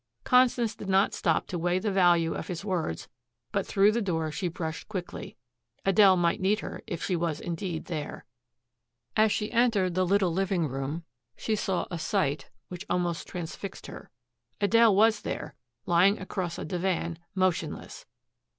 Constance did not stop to weigh the value of his words, but through the door she brushed quickly. Adele might need her if she was indeed there. As she entered the little living room she saw a sight which almost transfixed her. Adele was there lying across a divan, motionless.